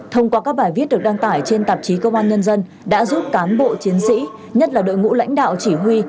thông qua các bài viết được đăng tải trên tạp chí công an nhân dân đã giúp cán bộ chiến sĩ nhất là đội ngũ lãnh đạo chỉ huy